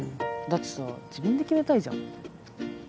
だってさ自分で決めたいじゃん。